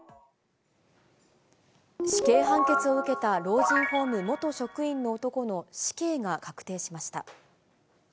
死刑判決を受けた老人ホーム元職員の男の死刑が確定しました。